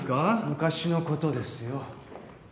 昔のことですよ。